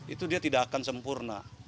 itu dia tidak akan sempurna